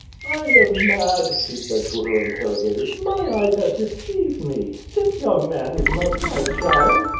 "I am mad," she said to her interrogators. "My eyes have deceived me! This young man is not my child.